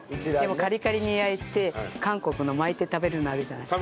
カリカリに焼いて韓国の巻いて食べるのあるじゃないですか。